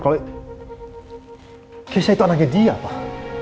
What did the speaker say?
kalau sisa itu anaknya dia pak